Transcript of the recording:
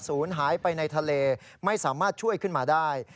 ศูนย์หายไปในทะเลไม่สามารถช่วยขึ้นมาได้